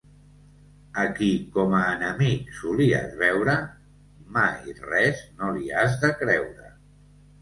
A qui com a enemic solies veure, mai res no li has de creure.